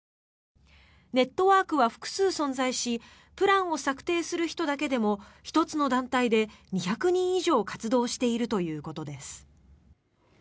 ネットワークは複数存在しプランを策定する人だけでも１つの団体で２００人以上活動しているということです。